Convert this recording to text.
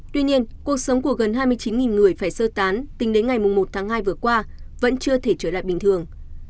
tuy nhiên cuộc sống của gần hai mươi chín người phải sơ tán tính đến ngày một tháng hai vừa qua vẫn chưa thể trở lại bình thường